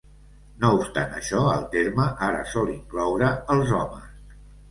No obstant això, el terme ara sol incloure els homes.